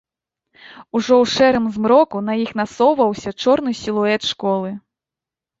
Ужо ў шэрым змроку на іх насоўваўся чорны сілуэт школы.